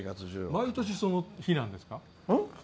毎年その日なんですか？